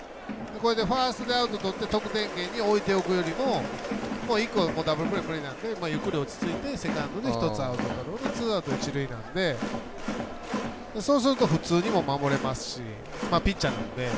ファーストでアウトとって得点圏に置いておくよりも１個、ダブルプレー無理なのでゆっくり落ち着いてセカンドでアウトをとるとツーアウト、一塁なのでそうすると普通にも守れますしピッチャーなので。